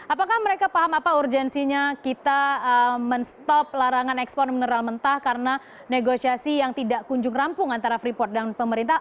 apakah mereka paham apa urgensinya kita men stop larangan ekspor mineral mentah karena negosiasi yang tidak kunjung rampung antara freeport dan pemerintah